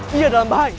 dia dalam bahaya